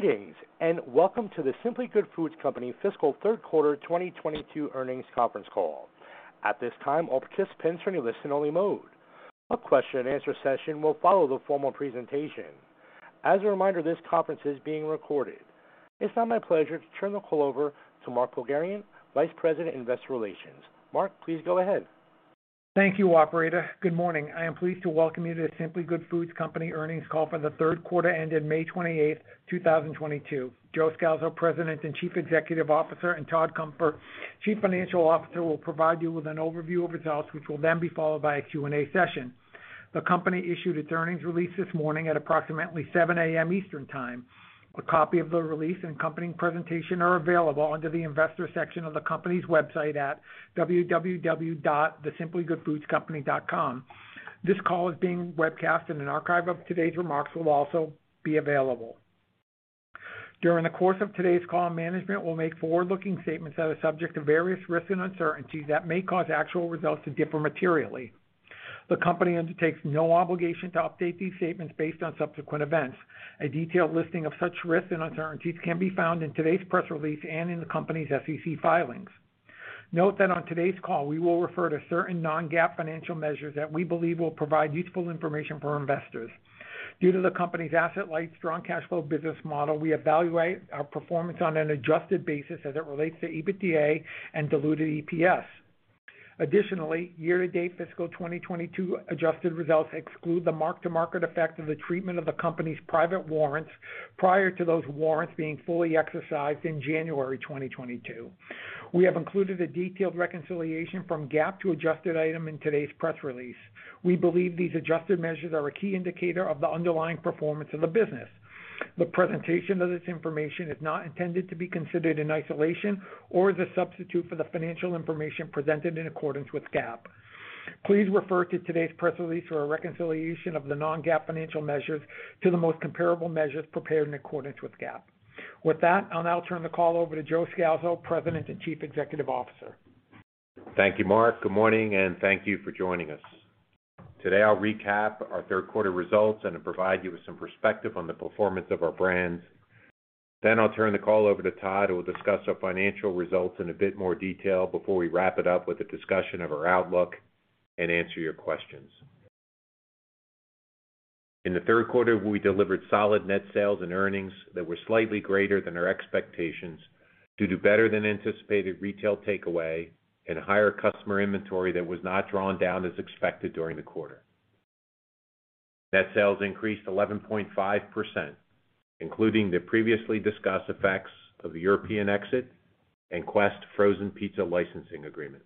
Greetings, and welcome to the Simply Good Foods Company fiscal third quarter 2022 earnings conference call. At this time, all participants are in listen only mode. A question and answer session will follow the formal presentation. As a reminder, this conference is being recorded. It's now my pleasure to turn the call over to Mark Pogharian, Vice President, Investor Relations. Mark, please go ahead. Thank you, operator. Good morning. I am pleased to welcome you to The Simply Good Foods Company earnings call for the third quarter ended May 28, 2022. Joe Scalzo, President and Chief Executive Officer, and Todd Cunfer, Chief Financial Officer, will provide you with an overview of results, which will then be followed by a Q&A session. The company issued its earnings release this morning at approximately 7:00 A.M. Eastern Time. A copy of the release and accompanying presentation are available under the investor section of the company's website at www.thesimplygoodfoodscompany.com. This call is being webcasted, and an archive of today's remarks will also be available. During the course of today's call, management will make forward-looking statements that are subject to various risks and uncertainties that may cause actual results to differ materially. The company undertakes no obligation to update these statements based on subsequent events. A detailed listing of such risks and uncertainties can be found in today's press release and in the company's SEC filings. Note that on today's call, we will refer to certain non-GAAP financial measures that we believe will provide useful information for our investors. Due to the company's asset-light strong cash flow business model, we evaluate our performance on an adjusted basis as it relates to EBITDA and diluted EPS. Additionally, year-to-date fiscal 2022 adjusted results exclude the mark-to-market effect of the treatment of the company's private warrants prior to those warrants being fully exercised in January 2022. We have included a detailed reconciliation from GAAP to adjusted item in today's press release. We believe these adjusted measures are a key indicator of the underlying performance of the business. The presentation of this information is not intended to be considered in isolation or as a substitute for the financial information presented in accordance with GAAP. Please refer to today's press release for a reconciliation of the non-GAAP financial measures to the most comparable measures prepared in accordance with GAAP. With that, I'll now turn the call over to Joe Scalzo, President and Chief Executive Officer. Thank you, Mark. Good morning, and thank you for joining us. Today, I'll recap our third quarter results and provide you with some perspective on the performance of our brands. I'll turn the call over to Todd, who will discuss our financial results in a bit more detail before we wrap it up with a discussion of our outlook and answer your questions. In the third quarter, we delivered solid net sales and earnings that were slightly greater than our expectations due to better than anticipated retail takeaway and higher customer inventory that was not drawn down as expected during the quarter. Net sales increased 11.5%, including the previously discussed effects of the European exit and Quest frozen pizza licensing agreement.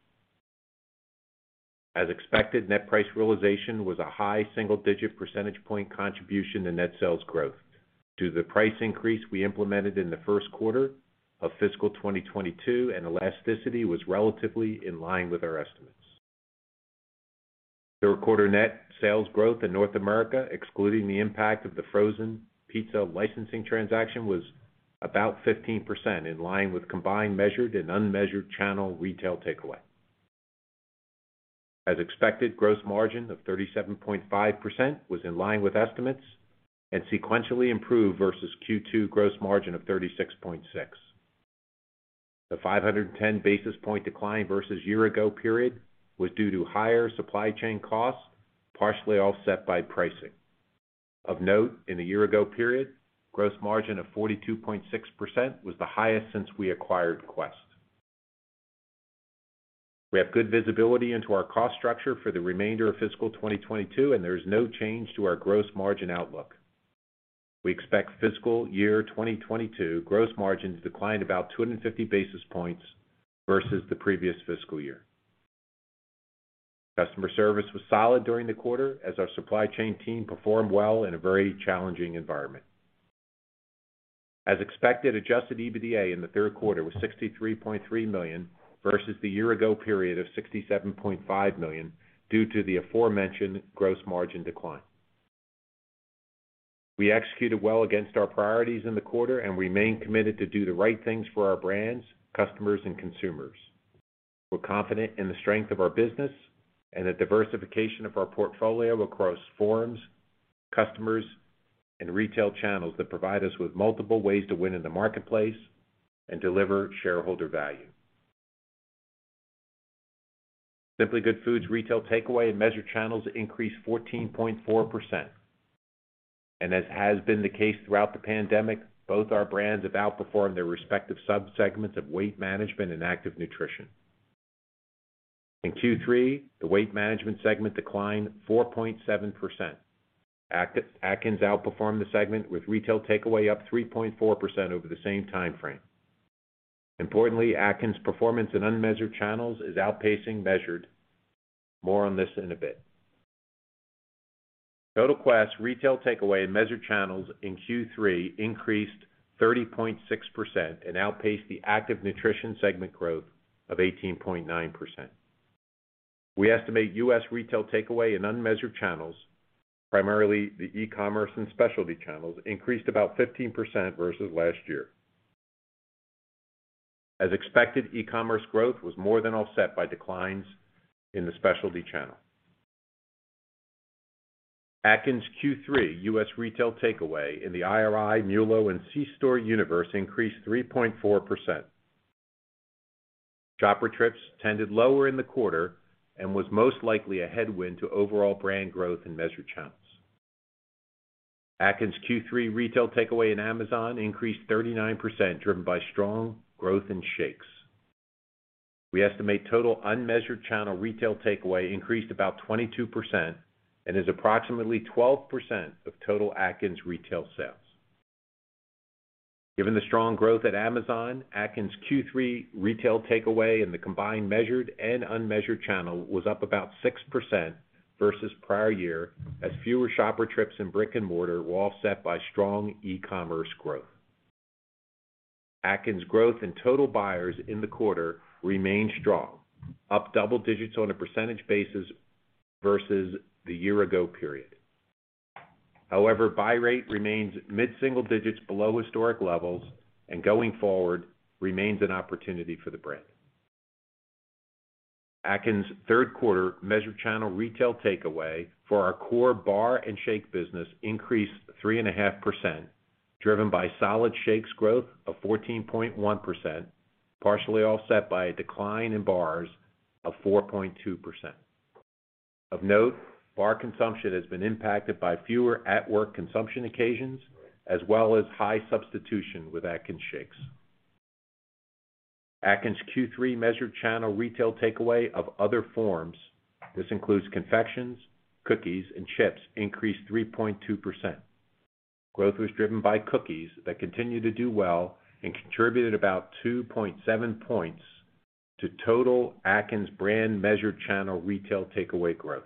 As expected, net price realization was a high single-digit percentage point contribution to net sales growth due to the price increase we implemented in the first quarter of fiscal 2022, and elasticity was relatively in line with our estimates. Third quarter net sales growth in North America, excluding the impact of the frozen pizza licensing transaction, was about 15% in line with combined measured and unmeasured channel retail takeaway. As expected, gross margin of 37.5% was in line with estimates and sequentially improved versus Q2 gross margin of 36.6%. The 510 basis points decline versus year ago period was due to higher supply chain costs, partially offset by pricing. Of note, in the year ago period, gross margin of 42.6% was the highest since we acquired Quest. We have good visibility into our cost structure for the remainder of fiscal 2022, and there is no change to our gross margin outlook. We expect fiscal year 2022 gross margins to decline about 250 basis points versus the previous fiscal year. Customer service was solid during the quarter as our supply chain team performed well in a very challenging environment. As expected, adjusted EBITDA in the third quarter was $63.3 million versus the year ago period of $67.5 million due to the aforementioned gross margin decline. We executed well against our priorities in the quarter and remain committed to do the right things for our brands, customers, and consumers. We're confident in the strength of our business and the diversification of our portfolio across formats, customers, and retail channels that provide us with multiple ways to win in the marketplace and deliver shareholder value. Simply Good Foods retail takeaway in measured channels increased 14.4%. As has been the case throughout the pandemic, both our brands have outperformed their respective subsegments of weight management and active nutrition. In Q3, the Weight Management segment declined 4.7%. Atkins outperformed the segment with retail takeaway up 3.4% over the same time frame. Importantly, Atkins' performance in unmeasured channels is outpacing measured. More on this in a bit. Total Quest retail takeaway in measured channels in Q3 increased 30.6% and outpaced the Active Nutrition segment growth of 18.9%. We estimate U.S. retail takeaway in unmeasured channels, primarily the e-commerce and specialty channels, increased about 15% versus last year. As expected, e-commerce growth was more than offset by declines in the specialty channel. Atkins Q3 U.S. retail takeaway in the IRI, MULO, and C-store universe increased 3.4%. Shopper trips tended lower in the quarter and was most likely a headwind to overall brand growth in measured channels. Atkins Q3 retail takeaway in Amazon increased 39%, driven by strong growth in shakes. We estimate total unmeasured channel retail takeaway increased about 22% and is approximately 12% of total Atkins retail sales. Given the strong growth at Amazon, Atkins Q3 retail takeaway in the combined measured and unmeasured channel was up about 6% versus prior year as fewer shopper trips in brick and mortar were offset by strong e-commerce growth. Atkins growth in total buyers in the quarter remained strong, up double digits on a percentage basis versus the year ago period. However, buy rate remains mid-single digits below historic levels and going forward remains an opportunity for the brand. Atkins third quarter measured channel retail takeaway for our core bar and shake business increased 3.5%, driven by solid shakes growth of 14.1%, partially offset by a decline in bars of 4.2%. Of note, bar consumption has been impacted by fewer at-work consumption occasions as well as high substitution with Atkins Shakes. Atkins Q3 measured channel retail takeaway of other forms, this includes confections, cookies, and chips, increased 3.2%. Growth was driven by cookies that continue to do well and contributed about 2.7 points to total Atkins brand measured channel retail takeaway growth.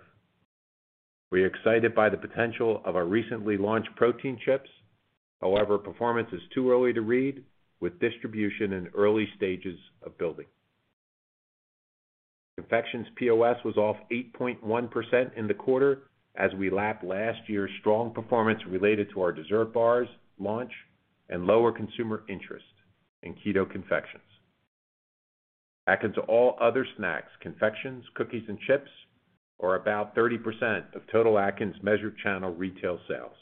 We're excited by the potential of our recently launched protein chips. However, performance is too early to read with distribution in early stages of building. Confections POS was off 8.1% in the quarter as we lapped last year's strong performance related to our dessert bars launch and lower consumer interest in Keto confections. Atkins all other snacks, confections, cookies, and chips are about 30% of total Atkins measured channel retail sales.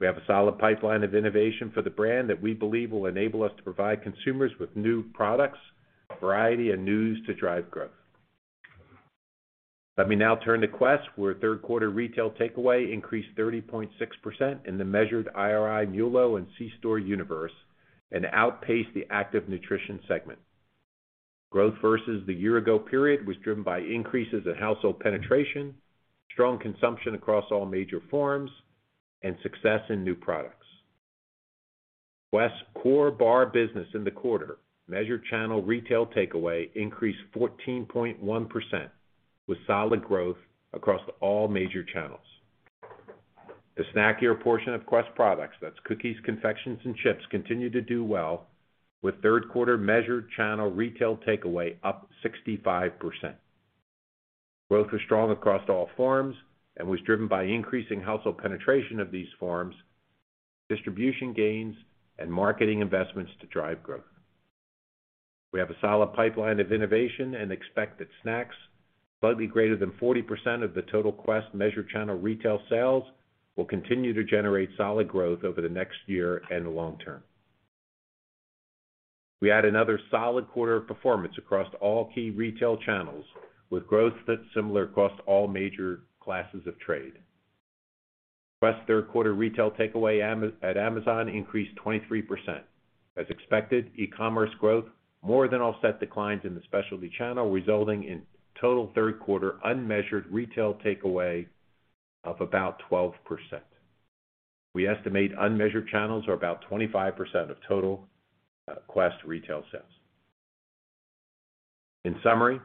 We have a solid pipeline of innovation for the brand that we believe will enable us to provide consumers with new products, variety, and news to drive growth. Let me now turn to Quest, where third quarter retail takeaway increased 30.6% in the measured IRI, MULO, and C-store universe and outpaced the Active Nutrition segment. Growth versus the year ago period was driven by increases in household penetration, strong consumption across all major forms, and success in new products. Quest core bar business in the quarter measured channel retail takeaway increased 14.1% with solid growth across all major channels. The snackier portion of Quest products, that's cookies, confections, and chips, continue to do well with third quarter measured channel retail takeaway up 65%. Growth was strong across all forms and was driven by increasing household penetration of these forms, distribution gains, and marketing investments to drive growth. We have a solid pipeline of innovation and expect that snacks, slightly greater than 40% of the total Quest measured channel retail sales, will continue to generate solid growth over the next year and long term. We had another solid quarter of performance across all key retail channels, with growth that's similar across all major classes of trade. Quest third quarter retail takeaway at Amazon increased 23%. As expected, e-commerce growth more than offset declines in the specialty channel, resulting in total third quarter unmeasured retail takeaway of about 12%. We estimate unmeasured channels are about 25% of total, Quest retail sales. In summary,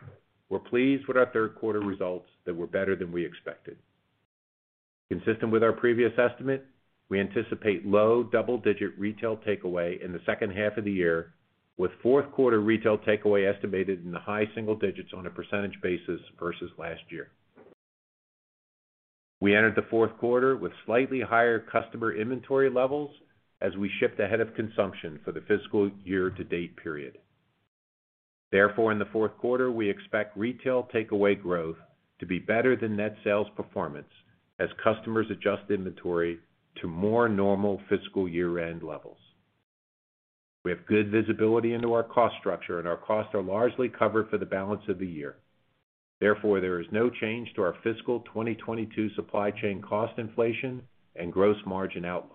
we're pleased with our third quarter results that were better than we expected. Consistent with our previous estimate, we anticipate low double-digit retail takeaway in the second half of the year, with fourth quarter retail takeaway estimated in the high single digits on a percentage basis versus last year. We entered the fourth quarter with slightly higher customer inventory levels as we shipped ahead of consumption for the fiscal year to date period. Therefore, in the fourth quarter, we expect retail takeaway growth to be better than net sales performance as customers adjust inventory to more normal fiscal year-end levels. We have good visibility into our cost structure, and our costs are largely covered for the balance of the year. Therefore, there is no change to our fiscal 2022 supply chain cost inflation and gross margin outlook.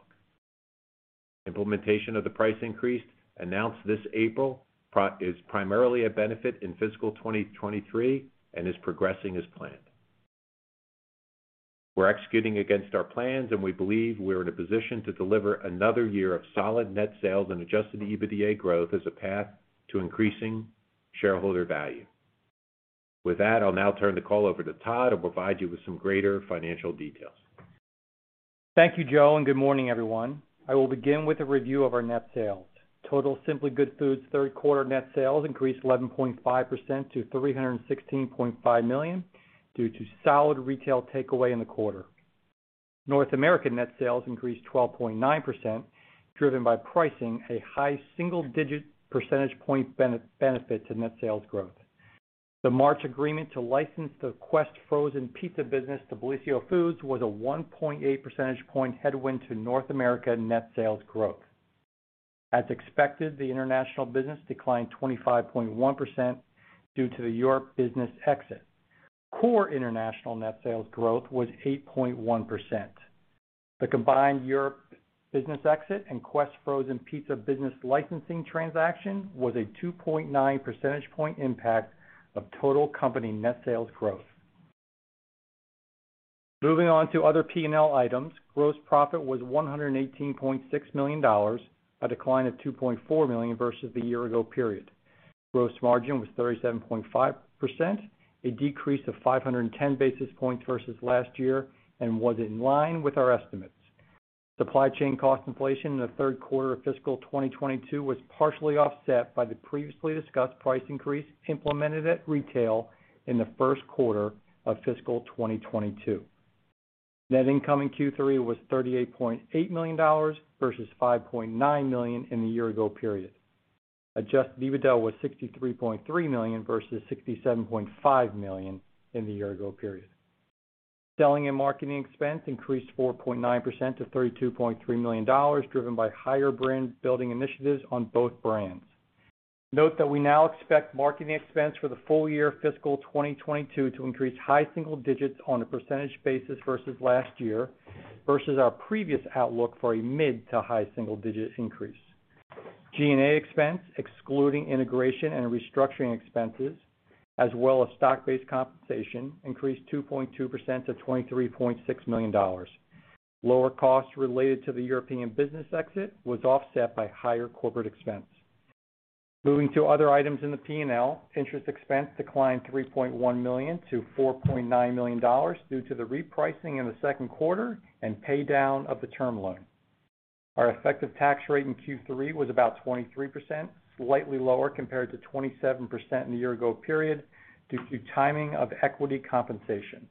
Implementation of the price increase announced this April is primarily a benefit in fiscal 2023 and is progressing as planned. We're executing against our plans, and we believe we are in a position to deliver another year of solid net sales and adjusted EBITDA growth as a path to increasing shareholder value. With that, I'll now turn the call over to Todd who'll provide you with some greater financial details. Thank you, Joe, and good morning, everyone. I will begin with a review of our net sales. Total Simply Good Foods third quarter net sales increased 11.5% to $316.5 million due to solid retail takeaway in the quarter. North American net sales increased 12.9%, driven by pricing a high single-digit percentage point benefit to net sales growth. The March agreement to license the Quest frozen pizza business to Bellisio Foods was a 1.8 percentage point headwind to North America net sales growth. As expected, the international business declined 25.1% due to the European business exit. Core international net sales growth was 8.1%. The combined European business exit and Quest frozen pizza business licensing transaction was a 2.9 percentage point impact of total company net sales growth. Moving on to other P&L items. Gross profit was $118.6 million, a decline of $2.4 million versus the year ago period. Gross margin was 37.5%, a decrease of 510 basis points versus last year, and was in line with our estimates. Supply chain cost inflation in the third quarter of fiscal 2022 was partially offset by the previously discussed price increase implemented at retail in the first quarter of fiscal 2022. Net income in Q3 was $38.8 million versus $5.9 million in the year ago period. Adjusted EBITDA was $63.3 million versus $67.5 million in the year ago period. Selling and marketing expense increased 4.9% to $32.3 million, driven by higher brand building initiatives on both brands. Note that we now expect marketing expense for the full year fiscal 2022 to increase high single digit on a percentage basis versus last year, versus our previous outlook for a mid- to high-single-digit increase. G&A expense excluding integration and restructuring expenses, as well as stock-based compensation, increased 2.2% to $23.6 million. Lower costs related to the European business exit was offset by higher corporate expense. Moving to other items in the P&L. Interest expense declined $3.1 million to $4.9 million due to the repricing in the second quarter and pay down of the term loan. Our effective tax rate in Q3 was about 23%, slightly lower compared to 27% in the year ago period due to timing of equity compensation.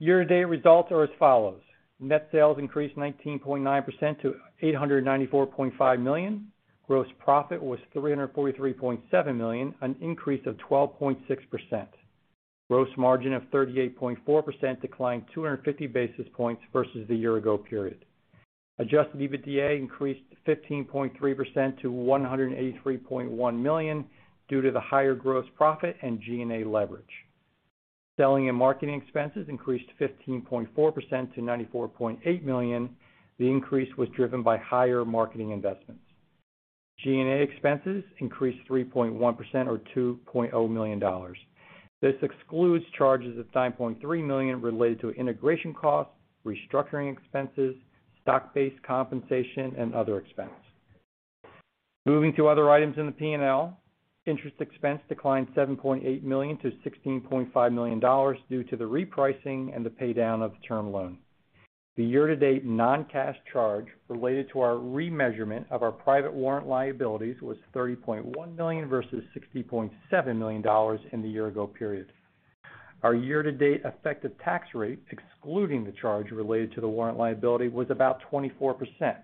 Year-to-date results are as follows. Net sales increased 19.9% to $894.5 million. Gross profit was $343.7 million, an increase of 12.6%. Gross margin of 38.4%, declined 250 basis points versus the year ago period. Adjusted EBITDA increased 15.3% to $183.1 million due to the higher gross profit and G&A leverage. Selling and marketing expenses increased 15.4% to $94.8 million. The increase was driven by higher marketing investments. G&A expenses increased 3.1% or $2.0 million. This excludes charges of $9.3 million related to integration costs, restructuring expenses, stock-based compensation, and other expenses. Moving to other items in the P&L. Interest expense declined $7.8 million to $16.5 million due to the repricing and the pay down of the term loan. The year-to-date non-cash charge related to our remeasurement of our private warrant liabilities was $30.1 million versus $60.7 million in the year ago period. Our year-to-date effective tax rate, excluding the charge related to the warrant liability, was about 24%.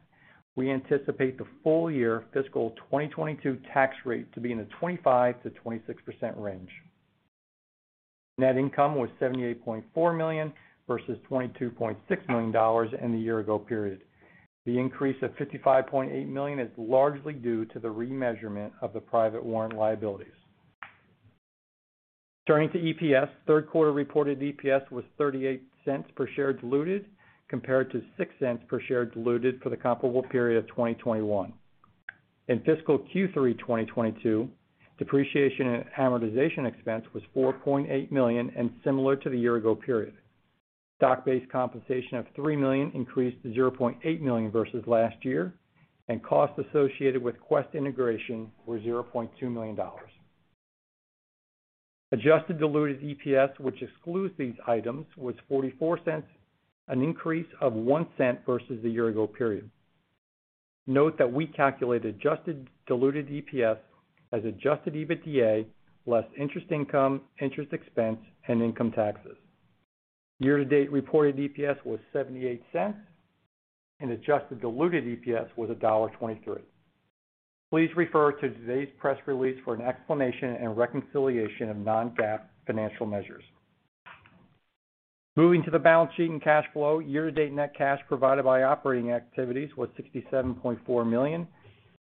We anticipate the full year fiscal 2022 tax rate to be in the 25%-26% range. Net income was $78.4 million versus $22.6 million in the year ago period. The increase of $55.8 million is largely due to the remeasurement of the private warrant liabilities. Turning to EPS, third quarter reported EPS was $0.38 per share diluted, compared to $0.06 per share diluted for the comparable period of 2021. In fiscal Q3 2022, depreciation and amortization expense was $4.8 million and similar to the year ago period. Stock-based compensation of $3 million increased to $0.8 million versus last year, and costs associated with Quest integration were $0.2 million. Adjusted diluted EPS, which excludes these items, was $0.44, an increase of $0.01 versus the year ago period. Note that we calculate adjusted diluted EPS as adjusted EBITDA less interest income, interest expense and income taxes. Year-to-date reported EPS was $0.78 and adjusted diluted EPS was $1.23. Please refer to today's press release for an explanation and reconciliation of non-GAAP financial measures. Moving to the balance sheet and cash flow. Year-to-date net cash provided by operating activities was $67.4 million.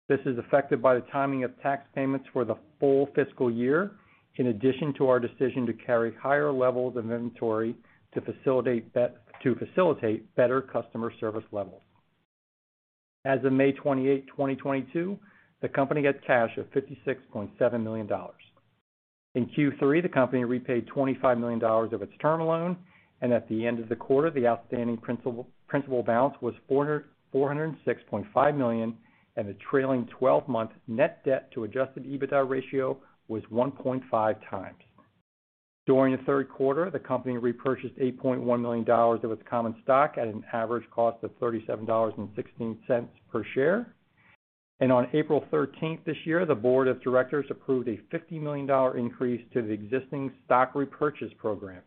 This is affected by the timing of tax payments for the full fiscal year, in addition to our decision to carry higher levels of inventory to facilitate better customer service levels. As of May 28, 2022, the company had cash of $56.7 million. In Q3, the company repaid $25 million of its term loan, and at the end of the quarter, the outstanding principal balance was $406.5 million, and the trailing twelve-month net debt to adjusted EBITDA ratio was 1.5x. During the third quarter, the company repurchased $8.1 million of its common stock at an average cost of $37.16 per share. On April 13th this year, the board of directors approved a $50 million increase to the existing stock repurchase program.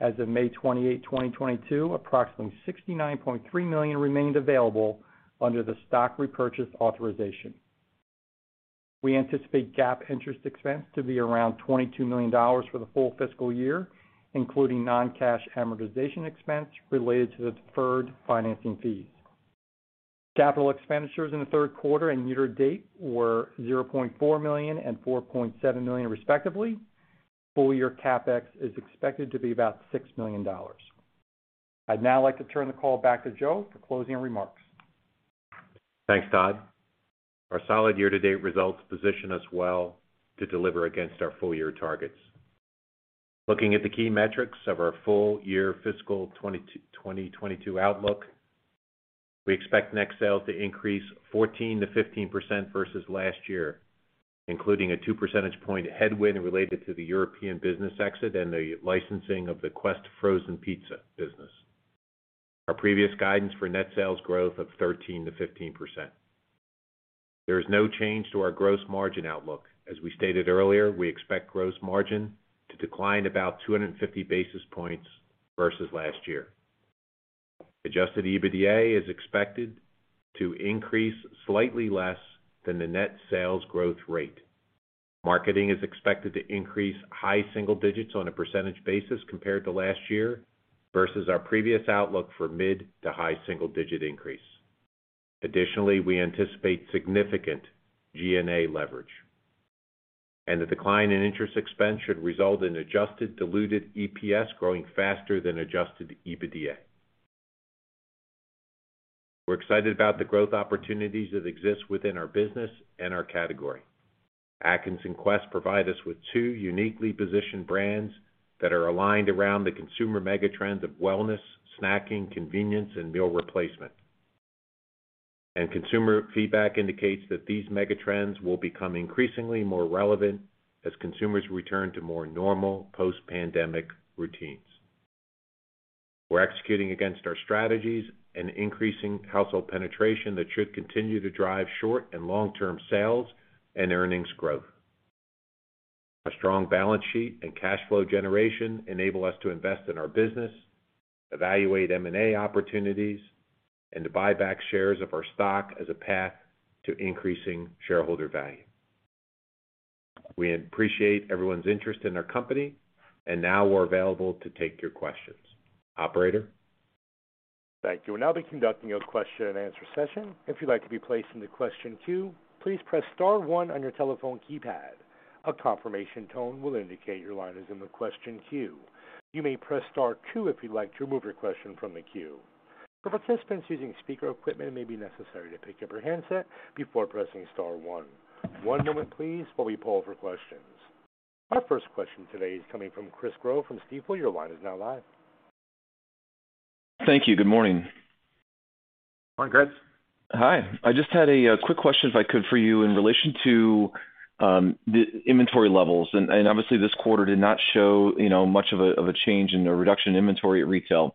As of May 28, 2022, approximately $69.3 million remained available under the stock repurchase authorization. We anticipate GAAP interest expense to be around $22 million for the full fiscal year, including non-cash amortization expense related to the deferred financing fees. Capital expenditures in the third quarter and year to date were $0.4 million and $4.7 million, respectively. Full year CapEx is expected to be about $6 million. I'd now like to turn the call back to Joe for closing remarks. Thanks, Todd. Our solid year-to-date results position us well to deliver against our full year targets. Looking at the key metrics of our full year fiscal 2022 outlook, we expect net sales to increase 14%-15% versus last year, including a 2 percentage point headwind related to the European business exit and the licensing of the Quest frozen pizza business. Our previous guidance for net sales growth of 13%-15%. There is no change to our gross margin outlook. As we stated earlier, we expect gross margin to decline about 250 basis points versus last year. Adjusted EBITDA is expected to increase slightly less than the net sales growth rate. Marketing is expected to increase high single digits on a percentage basis compared to last year versus our previous outlook for mid-to-high single-digit increase. Additionally, we anticipate significant G&A leverage. The decline in interest expense should result in adjusted diluted EPS growing faster than adjusted EBITDA. We're excited about the growth opportunities that exist within our business and our category. Atkins and Quest provide us with two uniquely positioned brands that are aligned around the consumer megatrends of wellness, snacking, convenience, and meal replacement. Consumer feedback indicates that these megatrends will become increasingly more relevant as consumers return to more normal post-pandemic routines. We're executing against our strategies and increasing household penetration that should continue to drive short and long-term sales and earnings growth. Our strong balance sheet and cash flow generation enable us to invest in our business, evaluate M&A opportunities, and to buy back shares of our stock as a path to increasing shareholder value. We appreciate everyone's interest in our company, and now we're available to take your questions. Operator? Thank you. We'll now be conducting your question-and-answer session. If you'd like to be placed in the question queue, please press star one on your telephone keypad. A confirmation tone will indicate your line is in the question queue. You may press star two if you'd like to remove your question from the queue. For participants using speaker equipment, it may be necessary to pick up your handset before pressing star one. One moment, please, while we poll for questions. Our first question today is coming from Chris Growe from Stifel. Your line is now live. Thank you. Good morning. Morning, Chris. Hi. I just had a quick question if I could for you in relation to the inventory levels. Obviously, this quarter did not show, you know, much of a change in the reduction in inventory at retail.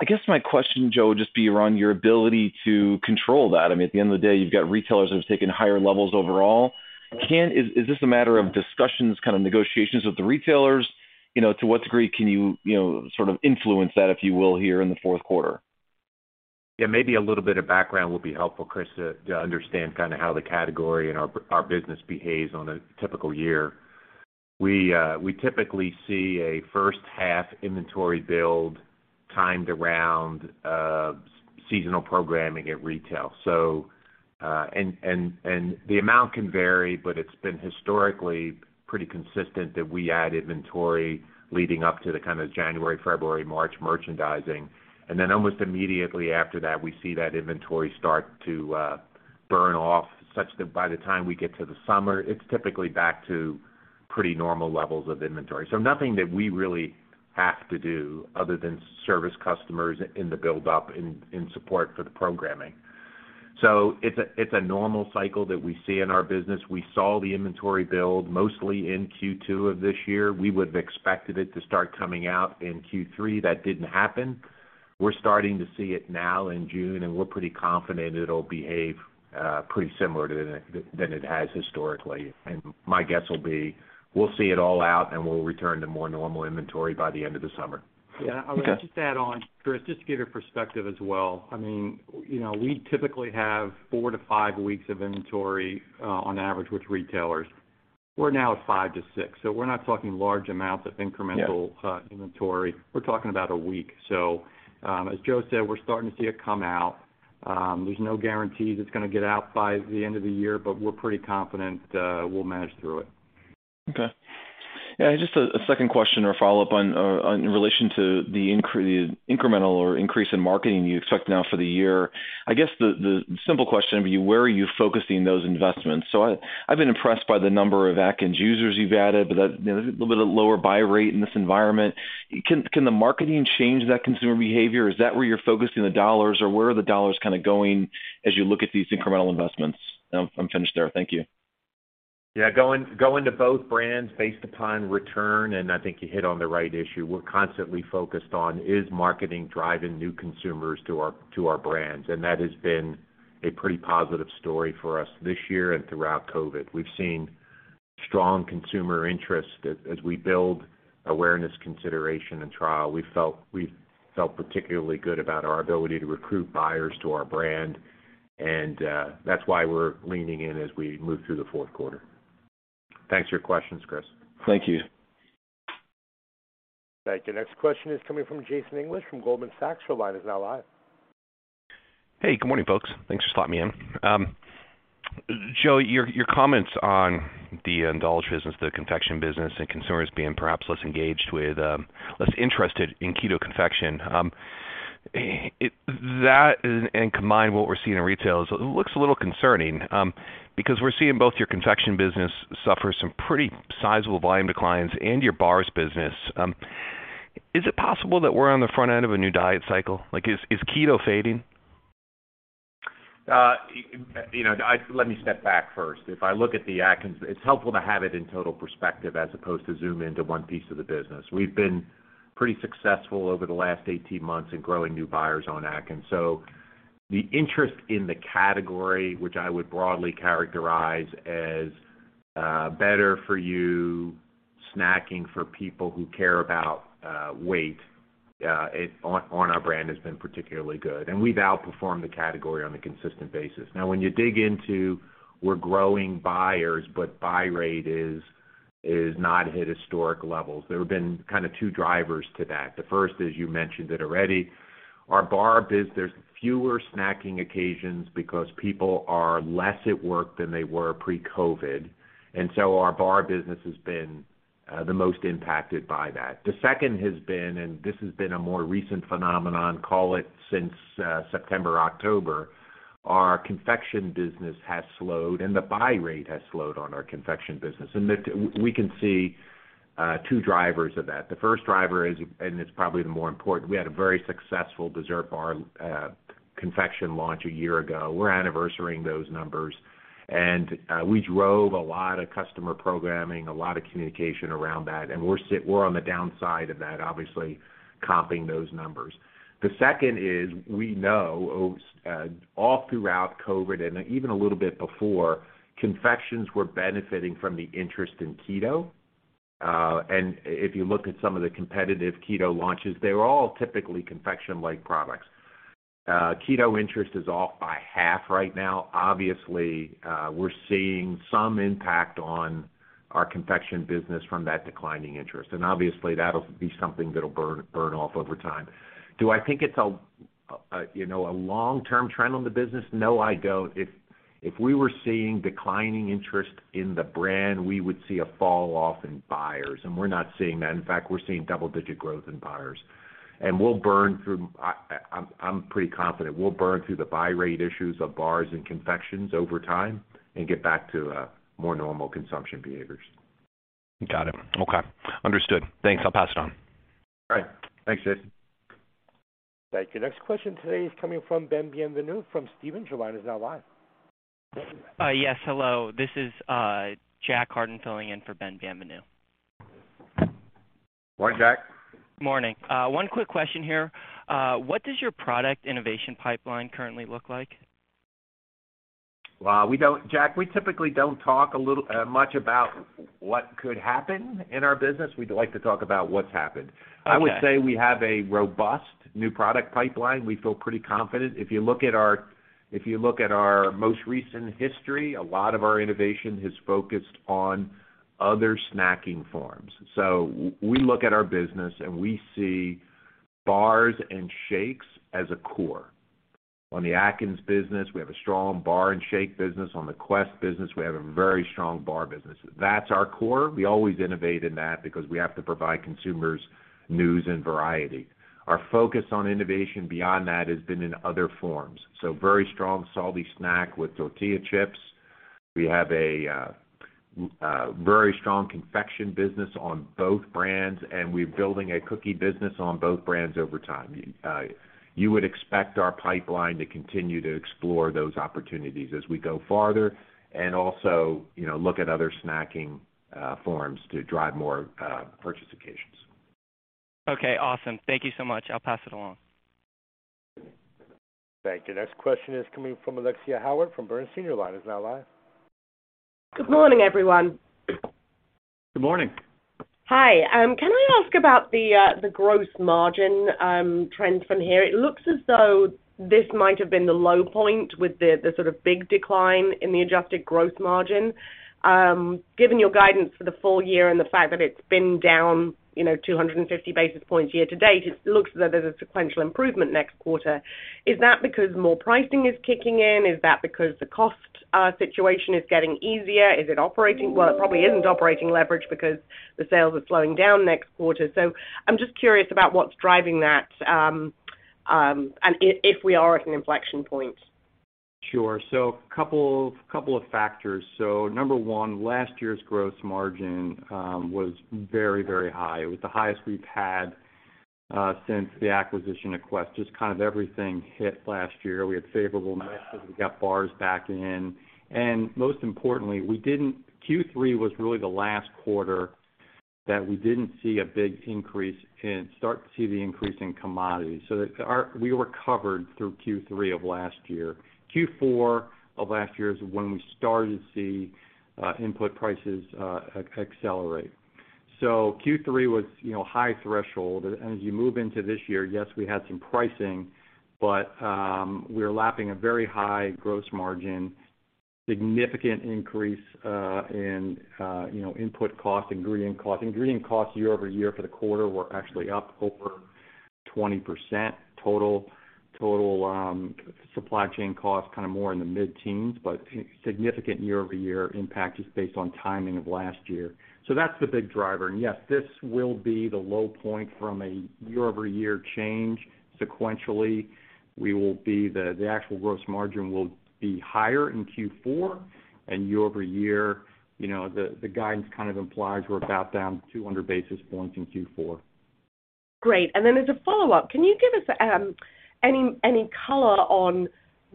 I guess my question, Joe, would just be around your ability to control that. I mean, at the end of the day, you've got retailers that have taken higher levels overall. Is this a matter of discussions, kind of negotiations with the retailers? You know, to what degree can you know, sort of influence that, if you will, here in the fourth quarter? Yeah, maybe a little bit of background will be helpful, Chris, to understand kinda how the category and our business behaves on a typical year. We typically see a first half inventory build timed around seasonal programming at retail. The amount can vary, but it's been historically pretty consistent that we add inventory leading up to the kind of January, February, March merchandising. Almost immediately after that, we see that inventory start to burn off such that by the time we get to the summer, it's typically back to pretty normal levels of inventory. Nothing that we really have to do other than service customers in the build up in support for the programming. It's a normal cycle that we see in our business. We saw the inventory build mostly in Q2 of this year. We would have expected it to start coming out in Q3. That didn't happen. We're starting to see it now in June, and we're pretty confident it'll behave pretty similar to than it has historically. My guess will be we'll see it all out, and we'll return to more normal inventory by the end of the summer. Okay. Yeah, I would just add on, Chris, just to give you perspective as well. I mean, you know, we typically have four-five weeks of inventory on average with retailers. We're now at five-six, so we're not talking large amounts of incremental. Yeah. Inventory. We're talking about a week. As Joe said, we're starting to see it come out. There's no guarantee that it's gonna get out by the end of the year, but we're pretty confident we'll manage through it. Okay. Yeah, just a second question or follow-up on in relation to the incremental or increase in marketing you expect now for the year. I guess the simple question would be, where are you focusing those investments? I've been impressed by the number of Atkins users you've added, but that, you know, a little bit of lower buy rate in this environment. Can the marketing change that consumer behavior? Is that where you're focusing the dollars, or where are the dollars kinda going as you look at these incremental investments? I'm finished there. Thank you. Yeah, going to both brands based upon return, and I think you hit on the right issue. We're constantly focused on is marketing driving new consumers to our brands. That has been a pretty positive story for us this year and throughout COVID. We've seen strong consumer interest as we build awareness, consideration, and trial. We've felt particularly good about our ability to recruit buyers to our brand. That's why we're leaning in as we move through the fourth quarter. Thanks for your questions, Chris. Thank you. Thank you. Next question is coming from Jason English from Goldman Sachs. Your line is now live. Hey, good morning, folks. Thanks for slotting me in. Joe, your comments on the Indulgence business, the confection business, and consumers being perhaps less engaged with less interested in keto confection. That and combined what we're seeing in retail, it looks a little concerning, because we're seeing both your confection business suffer some pretty sizable volume declines and your bars business. Is it possible that we're on the front end of a new diet cycle? Like, is keto fading? You know, let me step back first. If I look at the Atkins, it's helpful to have it in total perspective as opposed to zoom into one piece of the business. We've been pretty successful over the last 18 months in growing new buyers on Atkins. The interest in the category, which I would broadly characterize as better for you snacking for people who care about weight on our brand has been particularly good. We've outperformed the category on a consistent basis. Now, when you dig into we're growing buyers, but buy rate is not hit historic levels, there have been kind of two drivers to that. The first, as you mentioned it already, our bar business, there's fewer snacking occasions because people are less at work than they were pre-COVID. Our bar business has been the most impacted by that. The second has been, and this has been a more recent phenomenon, call it since September, October, our confection business has slowed and the buy rate has slowed on our confection business. We can see two drivers of that. The first driver is, and it's probably the more important, we had a very successful dessert bar confection launch a year ago. We're anniversarying those numbers, and we drove a lot of customer programming, a lot of communication around that, and we're on the downside of that, obviously, comping those numbers. The second is, we know, all throughout COVID and even a little bit before, confections were benefiting from the interest in keto. If you look at some of the competitive keto launches, they're all typically confection-like products. Keto interest is off by half right now. Obviously, we're seeing some impact on our confection business from that declining interest, and obviously that'll be something that'll burn off over time. Do I think it's you know, a long-term trend on the business? No, I don't. If we were seeing declining interest in the brand, we would see a fall off in buyers, and we're not seeing that. In fact, we're seeing double-digit growth in buyers. I'm pretty confident we'll burn through the buy rate issues of bars and confections over time and get back to more normal consumption behaviors. Got it. Okay. Understood. Thanks. I'll pass it on. All right. Thanks, Jason. Thank you. Next question today is coming from Ben Bienvenu from Stephens. Your line is now live. Yes, hello. This is Jack Hardin filling in for Ben Bienvenu. Morning, Jack. Morning. One quick question here. What does your product innovation pipeline currently look like? Well, Jack, we typically don't talk a little much about what could happen in our business. We'd like to talk about what's happened. Okay. I would say we have a robust new product pipeline. We feel pretty confident. If you look at our most recent history, a lot of our innovation has focused on other snacking forms. We look at our business, and we see bars and shakes as a core. On the Atkins business, we have a strong bar and shake business. On the Quest business, we have a very strong bar business. That's our core. We always innovate in that because we have to provide consumers new and variety. Our focus on innovation beyond that has been in other forms. Very strong salty snack with tortilla chips. We have a very strong confection business on both brands, and we're building a cookie business on both brands over time. You would expect our pipeline to continue to explore those opportunities as we go farther and also, you know, look at other snacking forms to drive more purchase occasions. Okay, awesome. Thank you so much. I'll pass it along. Thank you. Next question is coming from Alexia Howard from Bernstein. Your line is now live. Good morning, everyone. Good morning. Hi. Can I ask about the gross margin trends from here? It looks as though this might have been the low point with the sort of big decline in the adjusted gross margin. Given your guidance for the full year and the fact that it's been down, you know, 250 basis points year to date, it looks as though there's a sequential improvement next quarter. Is that because more pricing is kicking in? Is that because the cost situation is getting easier? Is it operating? Well, it probably isn't operating leverage because the sales are slowing down next quarter. I'm just curious about what's driving that, and if we are at an inflection point. Sure. Couple of factors. Number one, last year's gross margin was very, very high. It was the highest we've had. Since the acquisition of Quest, just kind of everything hit last year. We had favorable mix as we got bars back in. Most importantly, Q3 was really the last quarter that we didn't see a big increase and start to see the increase in commodities. We recovered through Q3 of last year. Q4 of last year is when we started to see input prices accelerate. Q3 was, you know, high threshold. As you move into this year, yes, we had some pricing, but we're lapping a very high gross margin, significant increase in, you know, input costs, ingredient costs. Ingredient costs year-over-year for the quarter were actually up over 20% total, supply chain costs, kind of more in the mid-teens, but significant year-over-year impact just based on timing of last year. That's the big driver. Yes, this will be the low point from a year-over-year change. Sequentially, the actual gross margin will be higher in Q4 and year-over-year, you know, the guidance kind of implies we're about down 200 basis points in Q4. Great. Then as a follow-up, can you give us any color on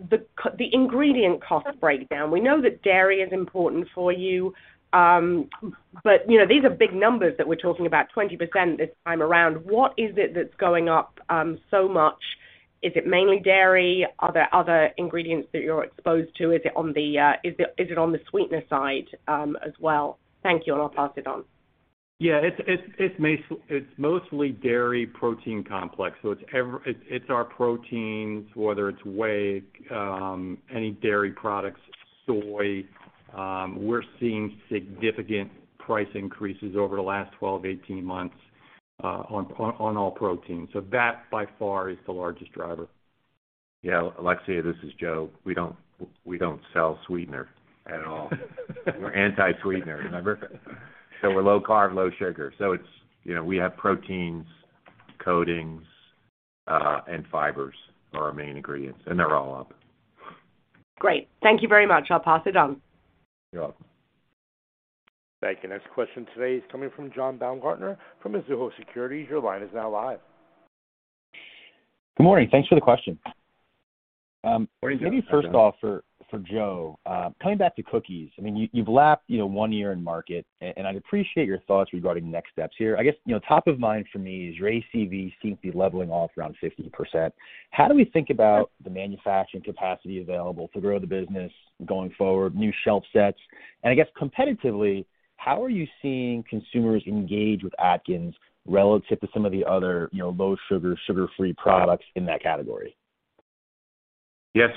the ingredient cost breakdown? We know that dairy is important for you, but you know, these are big numbers that we're talking about, 20% this time around. What is it that's going up so much? Is it mainly dairy? Are there other ingredients that you're exposed to? Is it on the sweetener side as well? Thank you, and I'll pass it on. Yeah, it's mostly dairy protein complex, so it's our proteins, whether it's whey, any dairy products, soy. We're seeing significant price increases over the last 12-18 months, on all proteins. That by far is the largest driver. Yeah, Alexia, this is Joe. We don't sell sweetener at all. We're anti-sweetener, remember? We're low carb, low sugar. It's, you know, we have proteins, coatings, and fibers are our main ingredients, and they're all up. Great. Thank you very much. I'll pass it on. You're welcome. Thank you. Next question today is coming from John Baumgartner from Mizuho Securities. Your line is now live. Good morning. Thanks for the questions. Morning, John. Maybe first off for Joe, coming back to cookies. I mean, you've lapped, you know, one year in market, and I'd appreciate your thoughts regarding next steps here. I guess, you know, top of mind for me is your ACV seems to be leveling off around 50%. How do we think about the manufacturing capacity available to grow the business going forward, new shelf sets? And I guess competitively, how are you seeing consumers engage with Atkins relative to some of the other, you know, low sugar-free products in that category? Yeah.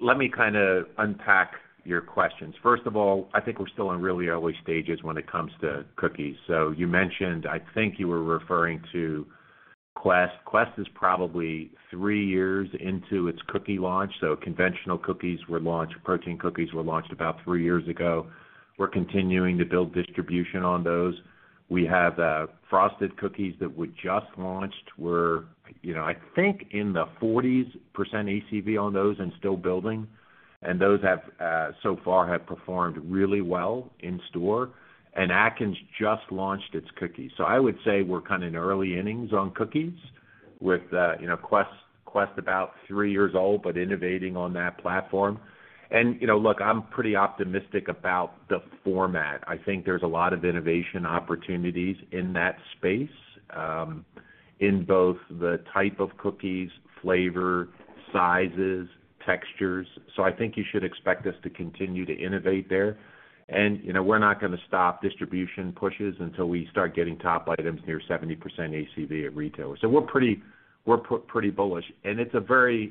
Let me kinda unpack your questions. First of all, I think we're still in really early stages when it comes to cookies. You mentioned, I think you were referring to Quest. Quest is probably three years into its cookie launch. Conventional cookies were launched, protein cookies were launched about three years ago. We're continuing to build distribution on those. We have frosted cookies that we just launched. We're, you know, I think in the 40s% ACV on those and still building, and those have so far performed really well in store. Atkins just launched its cookies. I would say we're kinda in early innings on cookies with, you know, Quest about three years old, but innovating on that platform. You know, look, I'm pretty optimistic about the format. I think there's a lot of innovation opportunities in that space in both the type of cookies, flavor, sizes, textures. I think you should expect us to continue to innovate there. You know, we're not gonna stop distribution pushes until we start getting top items near 70% ACV at retailers. We're pretty bullish. The